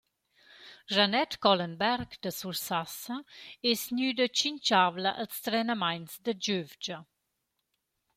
Jeanette Collenberg da Sursaissa es gnüda tschinchavla als trenamaints da gövgia.